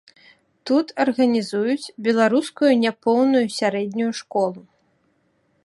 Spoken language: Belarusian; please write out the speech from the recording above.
Тут арганізуюць беларускую няпоўную сярэднюю школу.